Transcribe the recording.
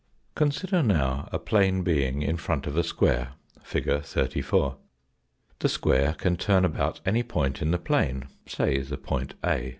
Consider now a plane being in front of a square, fig. 34. The square can turn about any point in the plane say the point A.